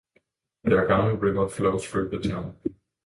The Agano River flows through the town.